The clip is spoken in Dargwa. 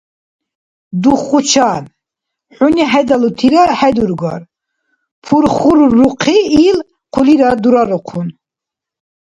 — Духучан, хӀуни хӀедалутира хӀедургар, — пурхуррухъи, ил хъулирад дурарухъун.